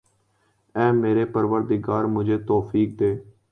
اے میرے پروردگا مجھے توفیق دے